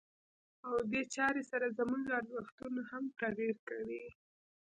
او دې چارې سره زموږ ارزښتونه هم تغيير کوي.